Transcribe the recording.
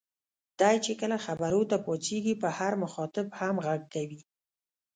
دی چې کله خبرو ته پاڅېږي په هر مخاطب هم غږ کوي.